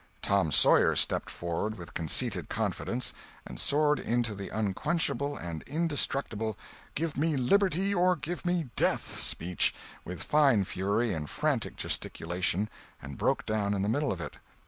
Tom Sawyer stepped forward with conceited confidence and soared into the unquenchable and indestructible "Give me liberty or give me death" speech, with fine fury and frantic gesticulation, and broke down in the middle of it.